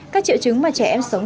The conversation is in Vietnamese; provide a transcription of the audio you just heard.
các triệu chứng mà trẻ em sống